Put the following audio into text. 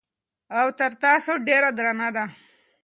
او تر تاسو ډېره درنه ده